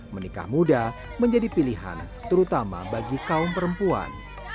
menikah muda menjadi pilihan terutama bagi kaum perempuan